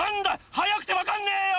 はやくてわかんねえよ！